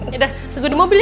ya udah tunggu di mobil ya